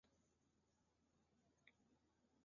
所有被告均面临上述三项罪名。